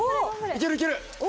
いけるいける！